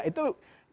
itu luar biasa